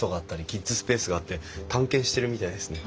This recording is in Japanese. キッズスペースがあって探検してるみたいですね。